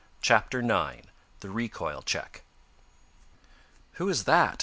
CHAPTER IX THE RECOIL CHECK "Who is that?"